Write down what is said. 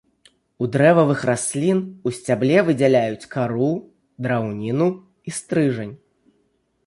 У дрэвавых раслін у сцябле выдзяляюць кару, драўніну і стрыжань.